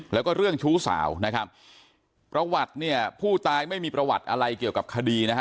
แล้วก็เรื่องชู้สาวนะครับประวัติเนี่ยผู้ตายไม่มีประวัติอะไรเกี่ยวกับคดีนะฮะ